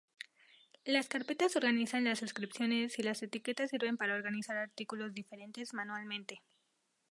Las carpetas organizan las suscripciones y las etiquetas sirven para organizar artículos diferentes manualmente.